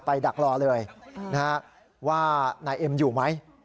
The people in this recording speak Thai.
ดักรอเลยว่านายเอ็มอยู่ไหม